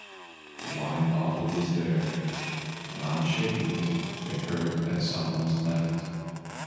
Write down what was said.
The wine bottle was there; and on shaking it they heard that some was left.